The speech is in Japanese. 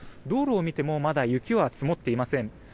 道路を見てもまだ雪は積もっていません。